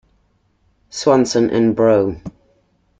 Swanson and Bro.